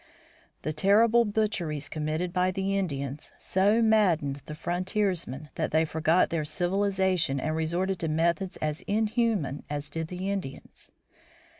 The terrible butcheries committed by the Indians so maddened the frontiersmen that they forgot their civilization and resorted to methods as inhuman as did the Indians.